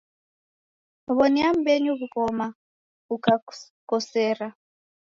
W'onia mmbenyu w'ughoma ukakukosera.